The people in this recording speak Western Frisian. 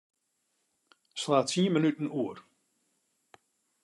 Slach tsien minuten oer.